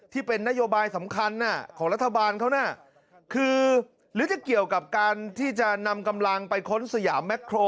ที่เป็นนโยบายสำคัญของรัฐบาลเขาน่ะคือหรือจะเกี่ยวกับการที่จะนำกำลังไปค้นสยามแคร